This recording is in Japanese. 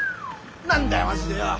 何だよマジでよ。